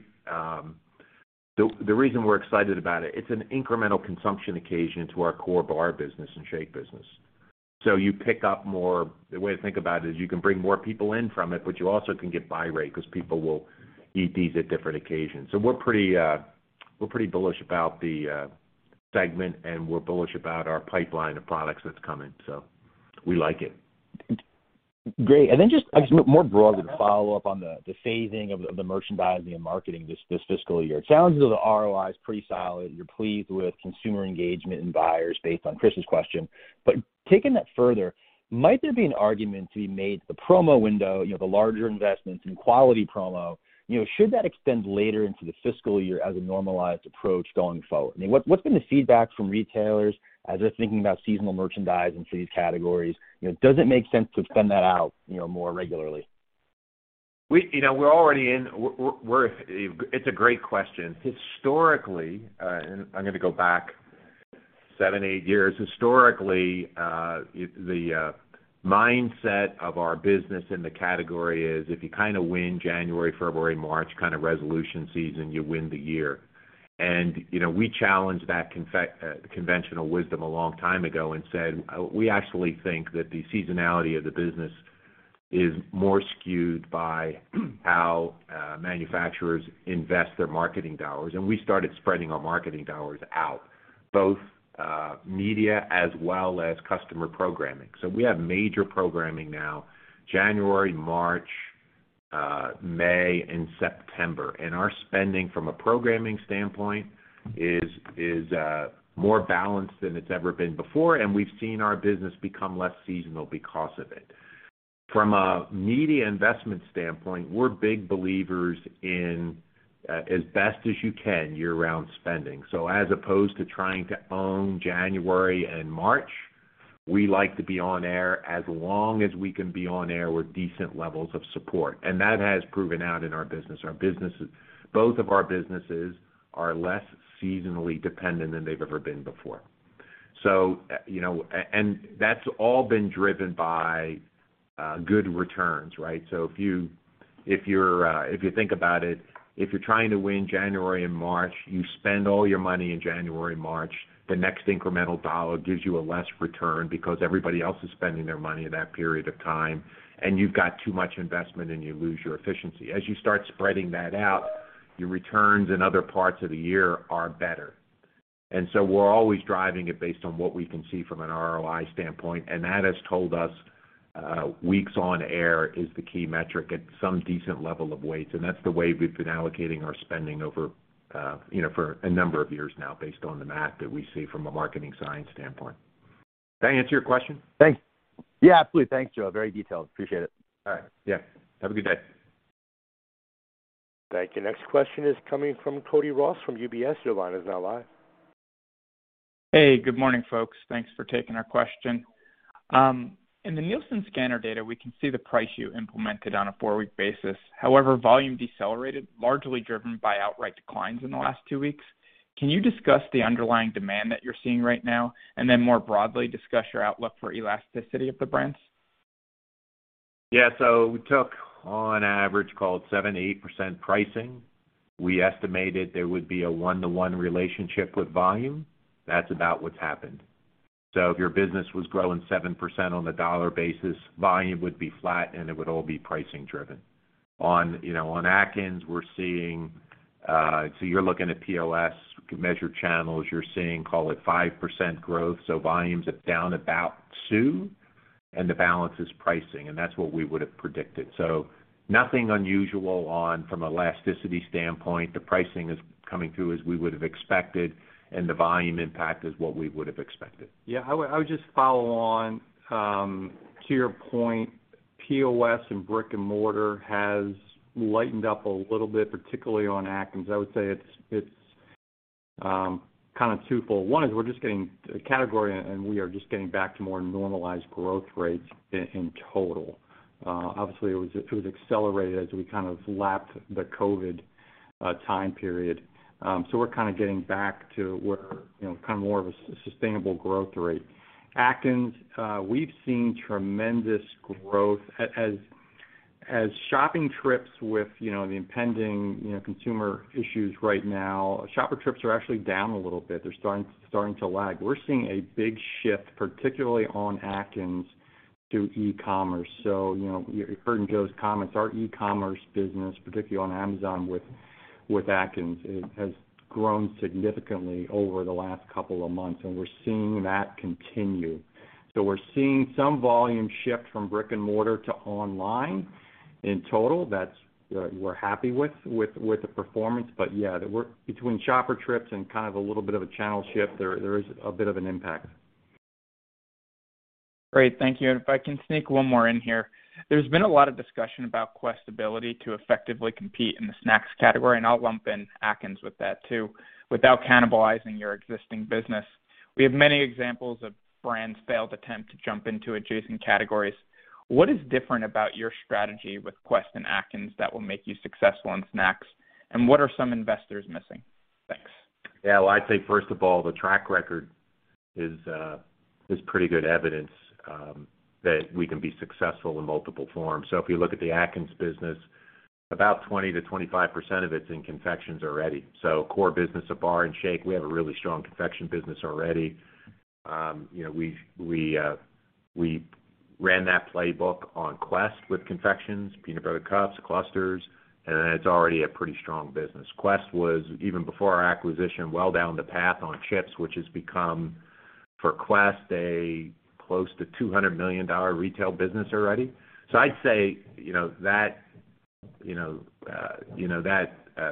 reason we're excited about it's an incremental consumption occasion to our core bar business and shake business. You pick up more. The way to think about it is you can bring more people in from it, but you also can get buy rate 'cause people will eat these at different occasions. We're pretty bullish about the segment, and we're bullish about our pipeline of products that's coming, so we like it. Great. Then just, I guess, more broadly to follow up on the phasing of the merchandising and marketing this fiscal year. It sounds as though the ROI is pretty solid. You're pleased with consumer engagement and buy-in based on Chris's question. Taking that further, might there be an argument to be made, the promo window, you know, the larger investments in quality promo, you know, should that extend later into the fiscal year as a normalized approach going forward? I mean, what's been the feedback from retailers as they're thinking about seasonal merchandise and for these categories? You know, does it make sense to extend that out, you know, more regularly? It's a great question. Historically, I'm gonna go back seven, eight years. Historically, the mindset of our business in the category is if you kinda win January, February, March, kinda resolution season, you win the year. You know, we challenged that conventional wisdom a long time ago and said, we actually think that the seasonality of the business is more skewed by how manufacturers invest their marketing dollars. We started spreading our marketing dollars out, both media as well as customer programming. We have major programming now, January, March, May and September. Our spending from a programming standpoint is more balanced than it's ever been before, and we've seen our business become less seasonal because of it. From a media investment standpoint, we're big believers in as best as you can year-round spending. As opposed to trying to own January and March, we like to be on air as long as we can be on air with decent levels of support. That has proven out in our business. Our businesses, both of our businesses, are less seasonally dependent than they've ever been before. You know, and that's all been driven by good returns, right? If you think about it, if you're trying to win January and March, you spend all your money in January and March, the next incremental dollar gives you a less return because everybody else is spending their money in that period of time, and you've got too much investment, and you lose your efficiency. As you start spreading that out, your returns in other parts of the year are better. We're always driving it based on what we can see from an ROI standpoint, and that has told us, weeks on air is the key metric at some decent level of weights. That's the way we've been allocating our spending over, you know, for a number of years now based on the math that we see from a marketing science standpoint. Did I answer your question? Thanks. Yeah, absolutely. Thanks, Joe. Very detailed. Appreciate it. All right. Yeah. Have a good day. Thank you. Next question is coming from Cody Ross from UBS. Your line is now live. Hey, good morning, folks. Thanks for taking our question. In the Nielsen scanner data, we can see the price you implemented on a four-week basis. However, volume decelerated, largely driven by outright declines in the last two weeks. Can you discuss the underlying demand that you're seeing right now, and then more broadly, discuss your outlook for elasticity of the brands? Yeah. We took on average, call it 7%-8% pricing. We estimated there would be a 1:1 relationship with volume. That's about what's happened. If your business was growing 7% on a dollar basis, volume would be flat, and it would all be pricing driven. On, you know, on Atkins, we're seeing, so you're looking at POS measured channels. You're seeing, call it 5% growth, so volumes are down about two, and the balance is pricing. That's what we would have predicted. Nothing unusual from an elasticity standpoint. The pricing is coming through as we would have expected, and the volume impact is what we would have expected. Yeah. I would just follow on to your point, POS and brick-and-mortar has lightened up a little bit, particularly on Atkins. I would say it's kind of twofold. One is we're just getting back to more normalized growth rates in total. Obviously, it was accelerated as we kind of lapped the COVID time period. We're kind of getting back to where, you know, kind of more of a sustainable growth rate. Atkins, we've seen tremendous growth. As shopping trips with, you know, the impending, you know, consumer issues right now, shopper trips are actually down a little bit. They're starting to lag. We're seeing a big shift, particularly on Atkins to e-commerce. You know, you heard in Joe's comments, our e-commerce business, particularly on Amazon with Atkins, it has grown significantly over the last couple of months, and we're seeing that continue. We're seeing some volume shift from brick-and-mortar to online. In total, we're happy with the performance. But yeah, the rub between shopper trips and kind of a little bit of a channel shift there is a bit of an impact. Great. Thank you. If I can sneak one more in here. There's been a lot of discussion about Quest's ability to effectively compete in the snacks category, and I'll lump in Atkins with that too, without cannibalizing your existing business. We have many examples of brands' failed attempts to jump into adjacent categories. What is different about your strategy with Quest and Atkins that will make you successful in snacks, and what are some investors missing? Thanks. Yeah. Well, I'd say, first of all, the track record is pretty good evidence that we can be successful in multiple forms. If you look at the Atkins business, about 20%-25% of it's in confections already. Core business of bar and shake, we have a really strong confection business already. You know, we ran that playbook on Quest with confections, peanut butter cups, clusters, and it's already a pretty strong business. Quest was, even before our acquisition, well down the path on chips, which has become, for Quest, a close to $200 million retail business already. I'd say, you know, that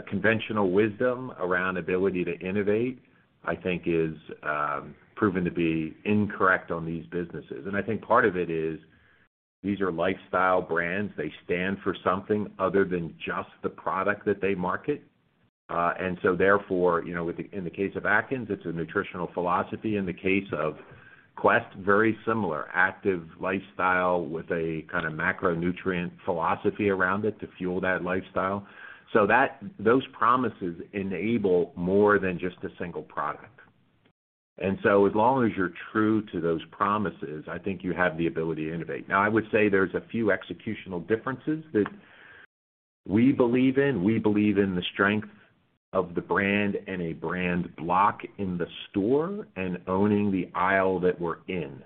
conventional wisdom around ability to innovate, I think is proven to be incorrect on these businesses. I think part of it is these are lifestyle brands. They stand for something other than just the product that they market. Therefore, you know, with the, in the case of Atkins, it's a nutritional philosophy. In the case of Quest, very similar. Active lifestyle with a kinda macronutrient philosophy around it to fuel that lifestyle. So that those promises enable more than just a single product. As long as you're true to those promises, I think you have the ability to innovate. Now, I would say there's a few executional differences that we believe in. We believe in the strength of the brand and a brand block in the store and owning the aisle that we're in.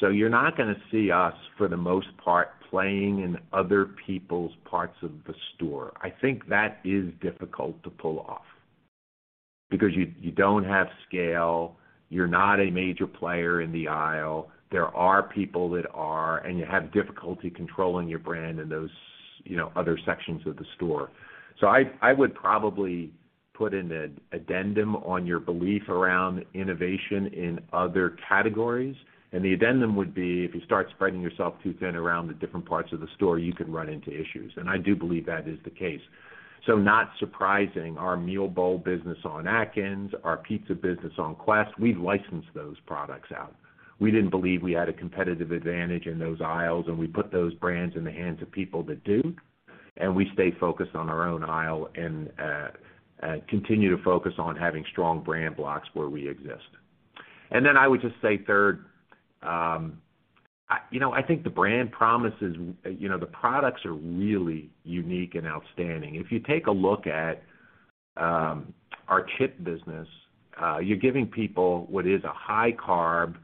You're not gonna see us, for the most part, playing in other people's parts of the store. I think that is difficult to pull off. You don't have scale, you're not a major player in the aisle. There are people that are, and you have difficulty controlling your brand in those, you know, other sections of the store. I would probably put in an addendum on your belief around innovation in other categories. The addendum would be, if you start spreading yourself too thin around the different parts of the store, you can run into issues. I do believe that is the case. Not surprising, our meal bowl business on Atkins, our pizza business on Quest, we licensed those products out. We didn't believe we had a competitive advantage in those aisles, and we put those brands in the hands of people that do, and we stay focused on our own aisle and continue to focus on having strong brand blocks where we exist. Then I would just say third, you know, I think the brand promise is, you know, the products are really unique and outstanding. If you take a look at our chip business, you're giving people what is a high carb,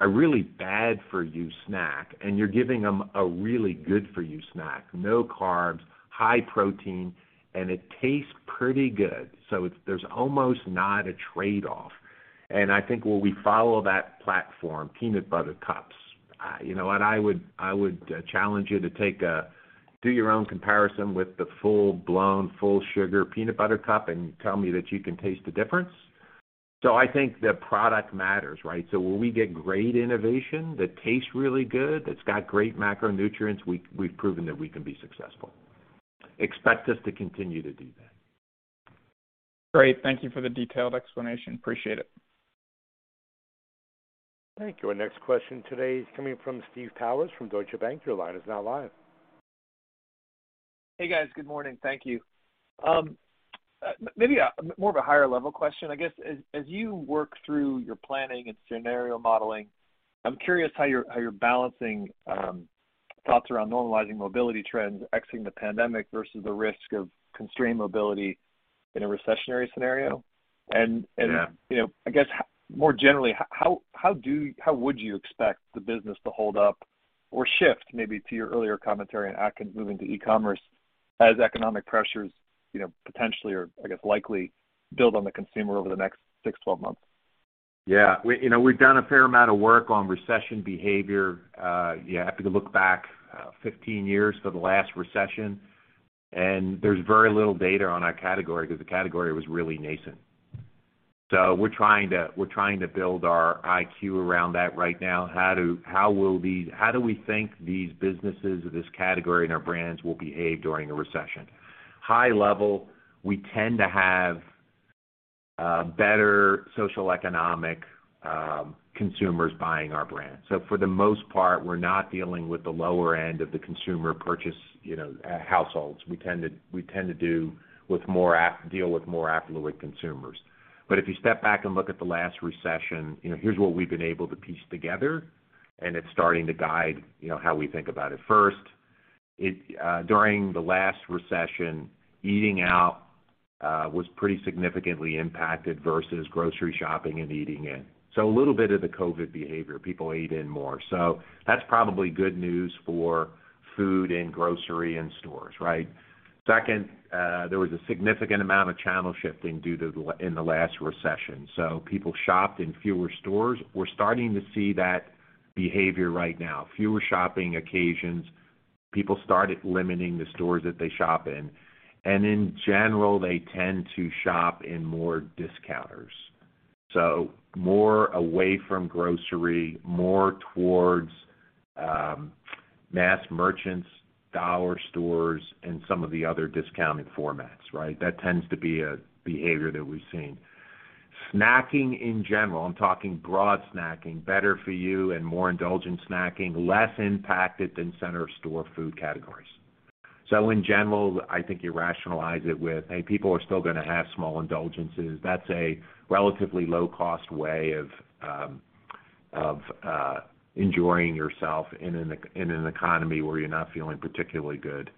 a really bad for you snack, and you're giving them a really good for you snack. No carbs, high protein, and it tastes pretty good. So it's. There's almost not a trade-off. I think where we follow that platform, peanut butter cups. You know what? I would challenge you to do your own comparison with the full-blown, full sugar peanut butter cup and tell me that you can taste the difference. I think the product matters, right? Where we get great innovation that tastes really good, that's got great macronutrients, we've proven that we can be successful. Expect us to continue to do that. Great. Thank you for the detailed explanation. Appreciate it. Thank you. Our next question today is coming from Steve Powers from Deutsche Bank. Your line is now live. Hey, guys. Good morning. Thank you. Maybe more of a higher level question, I guess. As you work through your planning and scenario modeling, I'm curious how you're balancing thoughts around normalizing mobility trends, exiting the pandemic versus the risk of constrained mobility in a recessionary scenario. Yeah. You know, I guess, more generally, how would you expect the business to hold up or shift maybe to your earlier commentary on Atkins moving to e-commerce as economic pressures, you know, potentially or, I guess, likely build on the consumer over the next six-12 months? Yeah. You know, we've done a fair amount of work on recession behavior. You have to look back 15 years to the last recession, and there's very little data on our category because the category was really nascent. We're trying to build our IQ around that right now. How do we think these businesses or this category and our brands will behave during a recession? High level, we tend to have better socio-economic consumers buying our brand. For the most part, we're not dealing with the lower end of the consumer purchase, you know, households. We tend to deal with more affluent consumers. If you step back and look at the last recession, you know, here's what we've been able to piece together, and it's starting to guide, you know, how we think about it. First, during the last recession, eating out was pretty significantly impacted versus grocery shopping and eating in. A little bit of the COVID behavior, people ate in more. That's probably good news for food and grocery in stores, right? Second, there was a significant amount of channel shifting in the last recession. People shopped in fewer stores. We're starting to see that behavior right now. Fewer shopping occasions, people started limiting the stores that they shop in. In general, they tend to shop in more discounters. More away from grocery, more towards mass merchants, dollar stores, and some of the other discounted formats, right? That tends to be a behavior that we've seen. Snacking in general, I'm talking broad snacking, better for you and more indulgent snacking, less impacted than center store food categories. In general, I think you rationalize it with, hey, people are still gonna have small indulgences. That's a relatively low-cost way of enjoying yourself in an economy where you're not feeling particularly good.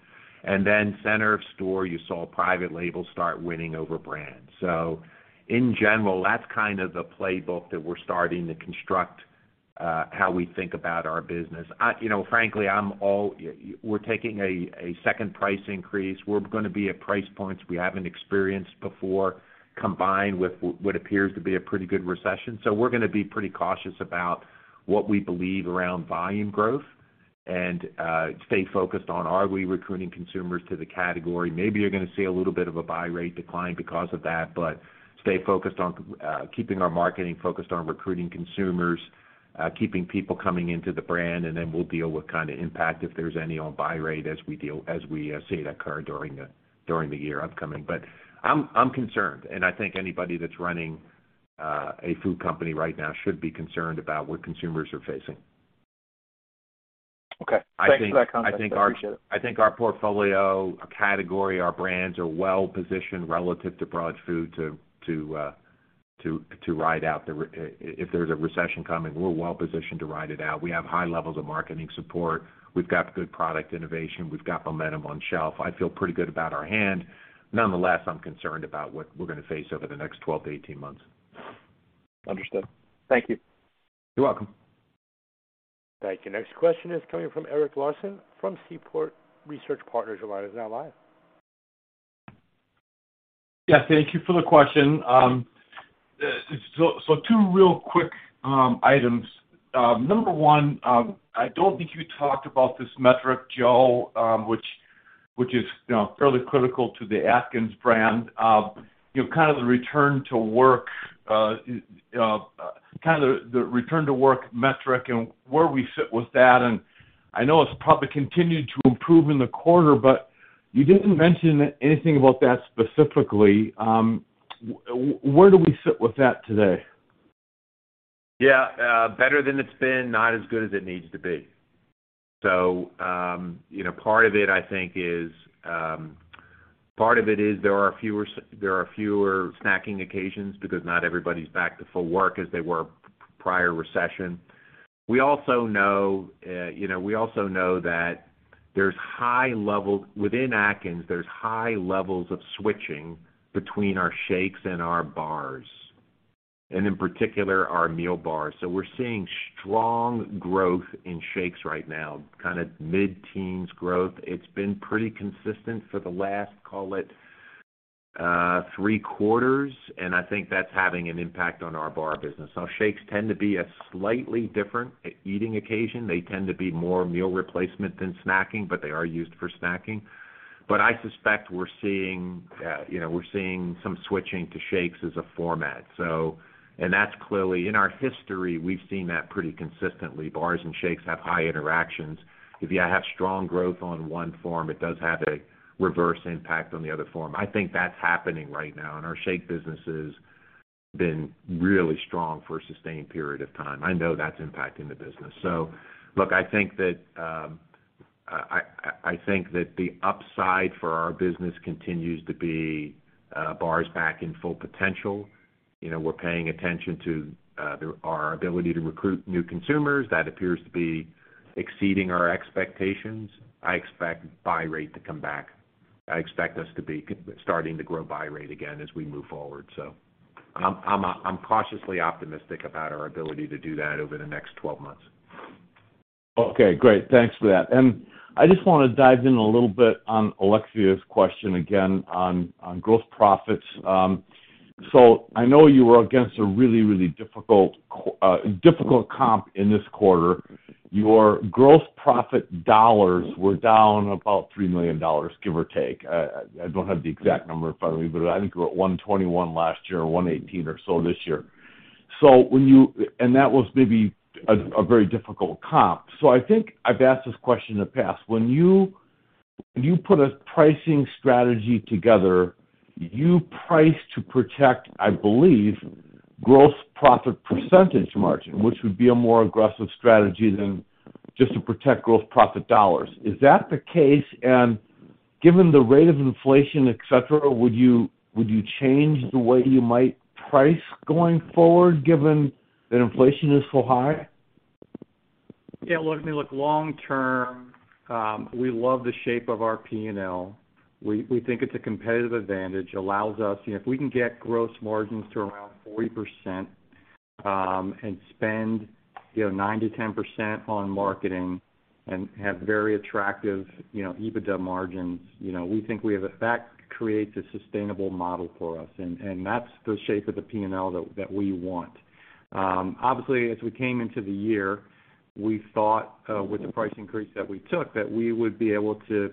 Center of store, you saw private labels start winning over brands. In general, that's kind of the playbook that we're starting to construct, how we think about our business. You know, frankly, we're taking a second price increase. We're gonna be at price points we haven't experienced before, combined with what appears to be a pretty good recession. We're gonna be pretty cautious about what we believe around volume growth and stay focused on are we recruiting consumers to the category. Maybe you're gonna see a little bit of a buy rate decline because of that, but stay focused on keeping our marketing focused on recruiting consumers, keeping people coming into the brand, and then we'll deal with kind of impact if there's any on buy rate as we see that occur during the year upcoming. I'm concerned, and I think anybody that's running a food company right now should be concerned about what consumers are facing. Okay. Thanks for that context. I appreciate it. I think our portfolio, our category, our brands are well-positioned relative to broader food to ride out the recession. If there's a recession coming, we're well positioned to ride it out. We have high levels of marketing support. We've got good product innovation. We've got momentum on shelf. I feel pretty good about our hand. Nonetheless, I'm concerned about what we're gonna face over the next 12-18 months. Understood. Thank you. You're welcome. Thank you. Next question is coming from Eric Larson from Seaport Research Partners. Your line is now live. Yeah, thank you for the question. So two real quick items. Number one, I don't think you talked about this metric, Joe, which is, you know, fairly critical to the Atkins brand, you know, kind of the return to work metric and where we sit with that. I know it's probably continued to improve in the quarter, but you didn't mention anything about that specifically. Where do we sit with that today? Yeah, better than it's been, not as good as it needs to be. You know, part of it, I think, is part of it is there are fewer snacking occasions because not everybody's back to full work as they were pre-recession. We also know you know that there's high levels of switching within Atkins between our shakes and our bars, and in particular, our meal bars. We're seeing strong growth in shakes right now, kind of mid-teens growth. It's been pretty consistent for the last, call it, three quarters, and I think that's having an impact on our bar business. Now, shakes tend to be a slightly different eating occasion. They tend to be more meal replacement than snacking, but they are used for snacking. I suspect we're seeing, you know, we're seeing some switching to shakes as a format. That's clearly in our history we've seen that pretty consistently. Bars and shakes have high interactions. If you have strong growth on one form, it does have a reverse impact on the other form. I think that's happening right now, and our shake business has been really strong for a sustained period of time. I know that's impacting the business. Look, I think that the upside for our business continues to be bars back in full potential. You know, we're paying attention to our ability to recruit new consumers. That appears to be exceeding our expectations. I expect buy rate to come back. I expect us to be starting to grow buy rate again as we move forward. I'm cautiously optimistic about our ability to do that over the next 12 months. Okay, great. Thanks for that. I just wanna dive in a little bit on Alexia's question again on gross profits. I know you were against a really difficult comp in this quarter. Your gross profit dollars were down about $3 million, give or take. I don't have the exact number in front of me, but I think we're at $121 million last year or $118 million or so this year. That was maybe a very difficult comp. I think I've asked this question in the past. When you put a pricing strategy together, you price to protect, I believe, gross profit percentage margin, which would be a more aggressive strategy than just to protect gross profit dollars. Is that the case? Given the rate of inflation, et cetera, would you change the way you might price going forward, given that inflation is so high? Yeah. Look, I mean, look, long term, we love the shape of our P&L. We think it's a competitive advantage, allows us. You know, if we can get gross margins to around 40%, and spend, you know, 9%-10% on marketing and have very attractive, you know, EBITDA margins, you know, we think we have. That creates a sustainable model for us, and that's the shape of the P&L that we want. Obviously, as we came into the year, we thought, with the price increase that we took, that we would be able to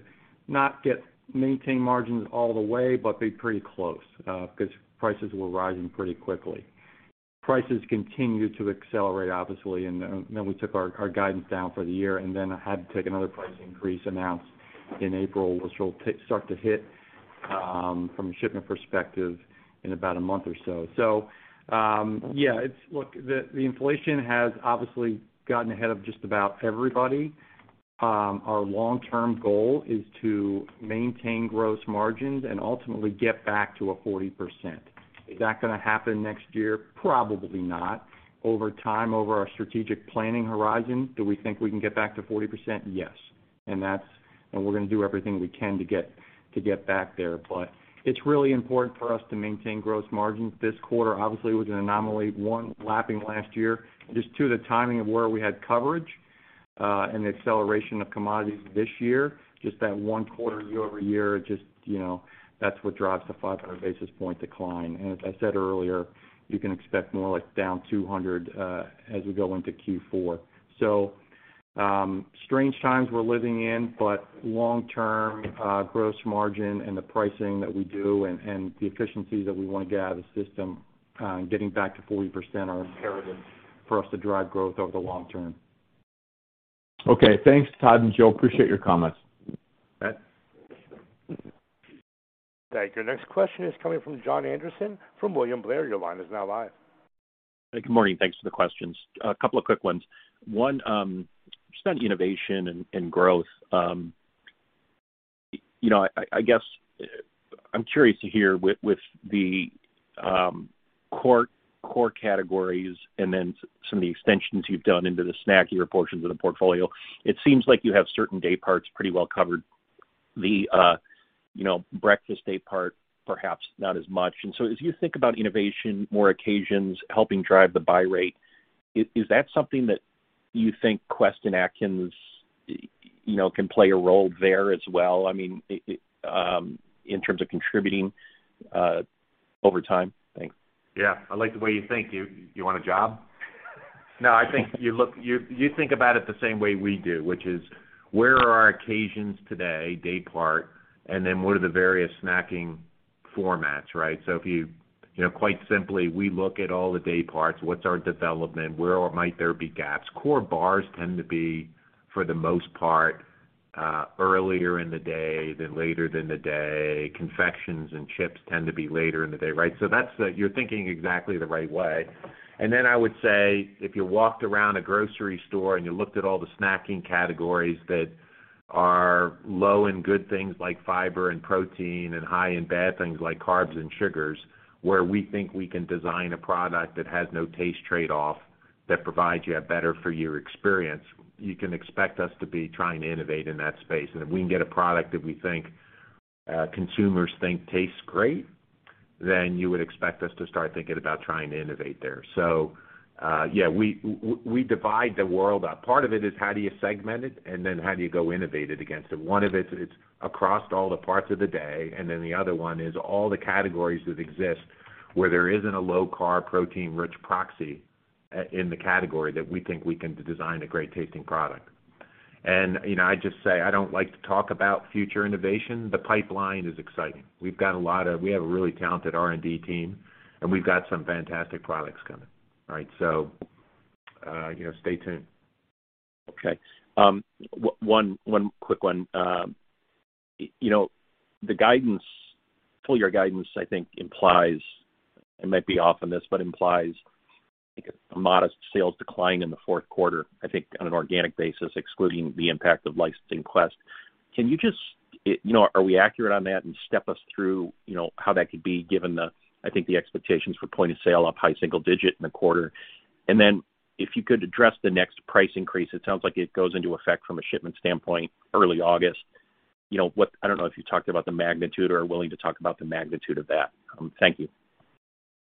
maintain margins all the way, but be pretty close, 'cause prices were rising pretty quickly. Prices continued to accelerate, obviously, and then we took our guidance down for the year and then had to take another price increase announced in April, which will start to hit from a shipment perspective in about a month or so. Look, the inflation has obviously gotten ahead of just about everybody. Our long-term goal is to maintain gross margins and ultimately get back to 40%. Is that gonna happen next year? Probably not. Over time, over our strategic planning horizon, do we think we can get back to 40%? Yes. We're gonna do everything we can to get back there. It's really important for us to maintain gross margins. This quarter, obviously, was an anomaly, one lapping last year. Just two, the timing of where we had coverage and the acceleration of commodities this year, just that one quarter year-over-year, you know, that's what drives the 500 basis point decline. As I said earlier, you can expect more like down 200 as we go into Q4. Strange times we're living in, but long-term, gross margin and the pricing that we do and the efficiencies that we wanna get out of the system, getting back to 40% are imperative for us to drive growth over the long term. Okay, thanks, Todd and Joe. Appreciate your comments. Bet. Thank you. Next question is coming from Jon Andersen from William Blair. Your line is now live. Good morning. Thanks for the questions. A couple of quick ones. One, just on innovation and growth. You know, I guess, I'm curious to hear with the core categories and then some of the extensions you've done into the snackier portions of the portfolio, it seems like you have certain day parts pretty well covered. The, you know, breakfast day part perhaps not as much. As you think about innovation, more occasions helping drive the buy rate, is that something that you think Quest and Atkins, you know, can play a role there as well? I mean, in terms of contributing over time? Thanks. Yeah. I like the way you think. You want a job? You think about it the same way we do, which is where are our occasions today, day part, and then what are the various snacking formats, right? If you know, quite simply, we look at all the day parts, what's our development, where might there be gaps. Core bars tend to be, for the most part, earlier in the day than later in the day. Confections and chips tend to be later in the day, right? You're thinking exactly the right way. I would say, if you walked around a grocery store and you looked at all the snacking categories that are low in good things like fiber and protein and high in bad things like carbs and sugars, where we think we can design a product that has no taste trade-off, that provides you a better-for-you experience, you can expect us to be trying to innovate in that space. If we can get a product that we think consumers think tastes great, then you would expect us to start thinking about trying to innovate there. Yeah, we divide the world up. Part of it is how do you segment it, and then how do you go innovate it against it. One of it's across all the parts of the day, and then the other one is all the categories that exist where there isn't a low-carb, protein-rich proxy in the category that we think we can design a great-tasting product. You know, I just say, I don't like to talk about future innovation. The pipeline is exciting. We have a really talented R&D team, and we've got some fantastic products coming. All right. You know, stay tuned. Okay. One quick one. You know, the guidance, full-year guidance, I think implies, I might be off on this, but implies, I think, a modest sales decline in the fourth quarter, I think on an organic basis, excluding the impact of licensing Quest. Can you just? You know, are we accurate on that? Step us through, you know, how that could be given the, I think, the expectations for point of sale up high single digit in the quarter. If you could address the next price increase, it sounds like it goes into effect from a shipment standpoint early August. You know what, I don't know if you talked about the magnitude or are willing to talk about the magnitude of that. Thank you.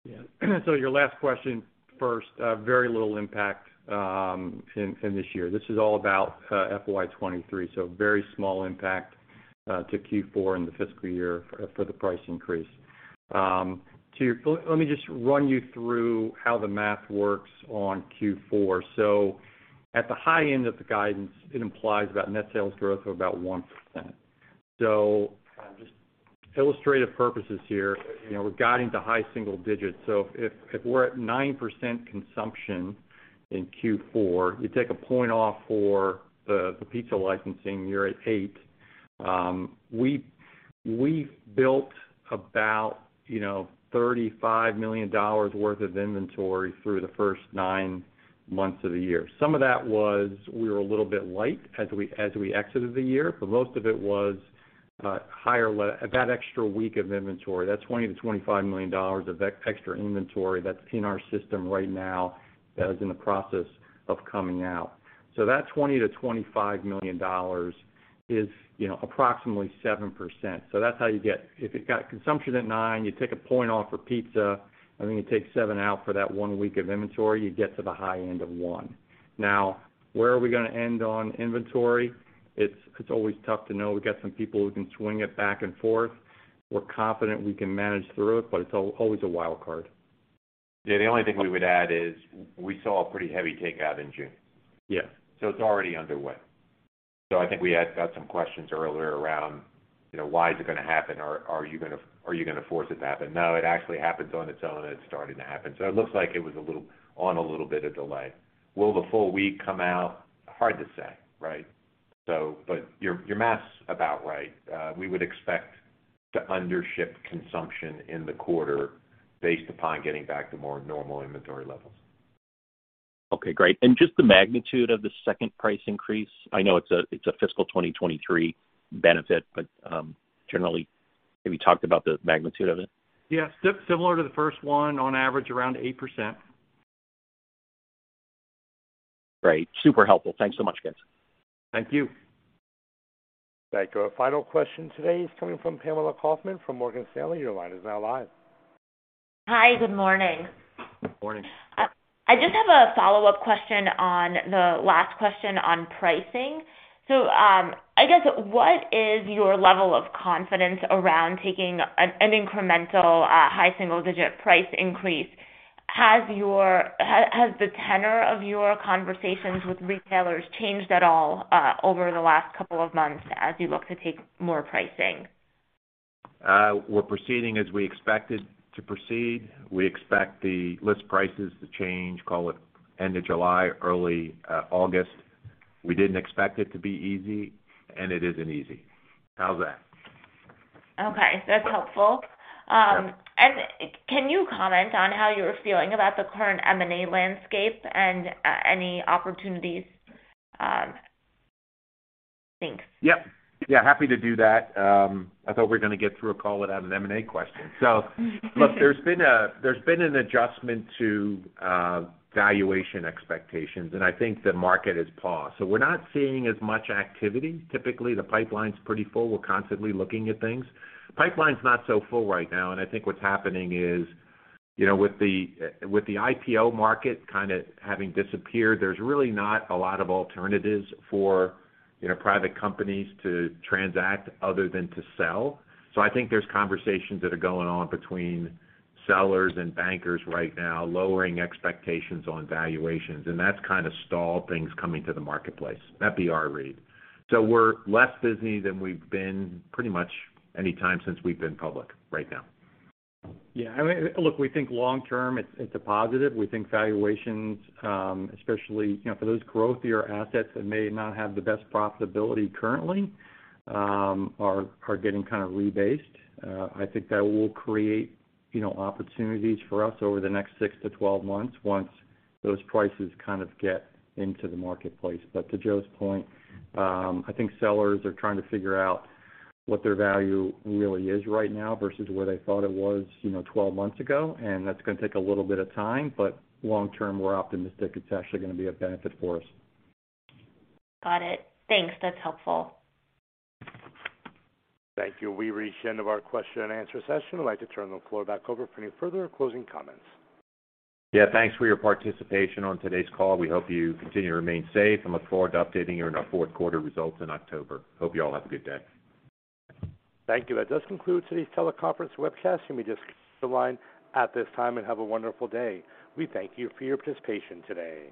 Yeah. Your last question first, very little impact in this year. This is all about FY 2023, very small impact to Q4 in the fiscal year for the price increase. Let me just run you through how the math works on Q4. At the high end of the guidance, it implies about net sales growth of about 1%. Just illustrative purposes here, you know, we're guiding to high single digits. If we're at 9% consumption in Q4, you take a point off for the pizza licensing, you're at 8%. We've built about, you know, $35 million worth of inventory through the first nine months of the year. Some of that was we were a little bit light as we exited the year, but most of it was higher. That extra week of inventory, that $20 million-$25 million of extra inventory that's in our system right now that is in the process of coming out. That $20 million-$25 million is, you know, approximately 7%. That's how you get. If you've got consumption at nine, you take a point off for pizza, and then you take seven out for that one week of inventory, you get to the high end of one. Now, where are we gonna end on inventory? It's always tough to know. We got some people who can swing it back and forth. We're confident we can manage through it, but it's always a wild card. Yeah. The only thing we would add is we saw a pretty heavy takeout in June. Yeah. It's already underway. I think we had got some questions earlier around, you know, why is it gonna happen? Are you gonna force it to happen? No, it actually happens on its own, and it's starting to happen. It looks like it was on a little bit of delay. Will the full week come out? Hard to say, right? But your math's about right. We would expect to under-ship consumption in the quarter based upon getting back to more normal inventory levels. Okay, great. Just the magnitude of the second price increase. I know it's a fiscal 2023 benefit, but generally, have you talked about the magnitude of it? Yeah. Similar to the first one, on average around 8%. Great. Super helpful. Thanks so much, guys. Thank you. Thank you. Our final question today is coming from Pamela Kaufman from Morgan Stanley. Your line is now live. Hi, good morning. Morning. I just have a follow-up question on the last question on pricing. I guess what is your level of confidence around taking an incremental high single digit price increase? Has your tenor of your conversations with retailers changed at all over the last couple of months as you look to take more pricing? We're proceeding as we expected to proceed. We expect the list prices to change, call it end of July, early, August. We didn't expect it to be easy, and it isn't easy. How's that? Okay, that's helpful. Can you comment on how you're feeling about the current M&A landscape and any opportunities? Thanks. Yep. Yeah, happy to do that. I thought we were gonna get through a call without an M&A question. Look, there's been an adjustment to valuation expectations, and I think the market has paused. So we're not seeing as much activity. Typically, the pipeline's pretty full. We're constantly looking at things. Pipeline's not so full right now, and I think what's happening is, you know, with the IPO market kind of having disappeared, there's really not a lot of alternatives for, you know, private companies to transact other than to sell. So I think there's conversations that are going on between sellers and bankers right now, lowering expectations on valuations, and that's kind of stalled things coming to the marketplace. That'd be our read. So we're less busy than we've been pretty much any time since we've been public right now. I mean, look, we think long term it's a positive. We think valuations, especially, you know, for those growthier assets that may not have the best profitability currently, are getting kind of rebased. I think that will create, you know, opportunities for us over the next six to 12 months once those prices kind of get into the marketplace. But to Joe's point, I think sellers are trying to figure out what their value really is right now versus where they thought it was, you know, 12 months ago, and that's gonna take a little bit of time. But long term, we're optimistic it's actually gonna be a benefit for us. Got it. Thanks. That's helpful. Thank you. We've reached the end of our question and answer session. I'd like to turn the floor back over for any further closing comments. Yeah, thanks for your participation on today's call. We hope you continue to remain safe and look forward to updating you on our fourth quarter results in October. Hope you all have a good day. Thank you. That does conclude today's teleconference webcast. You may disconnect the line at this time and have a wonderful day. We thank you for your participation today.